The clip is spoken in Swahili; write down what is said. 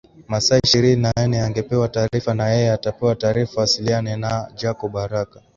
Masaa ishirini na nne angepewa taarifa na yeye atapewa taarifa awasiliane na Jacob haraka